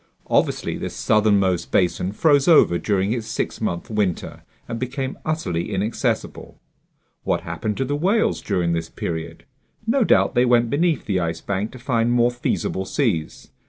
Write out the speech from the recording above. Obviously this southernmost basin froze over during its six month winter and became utterly inaccessible. What happened to the whales during this period? No doubt they went beneath the Ice Bank to find more feasible seas.